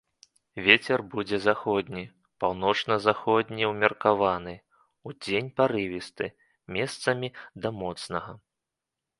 Вецер будзе заходні, паўночна-заходні ўмеркаваны, удзень парывісты, месцамі да моцнага.